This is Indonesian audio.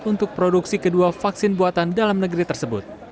untuk produksi kedua vaksin buatan dalam negeri tersebut